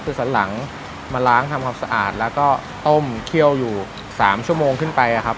คือสันหลังมาล้างทำความสะอาดแล้วก็ต้มเคี่ยวอยู่๓ชั่วโมงขึ้นไปครับ